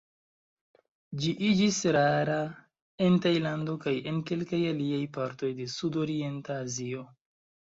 Ĝi iĝis rara en Tajlando kaj en kelkaj aliaj partoj de sudorienta Azio.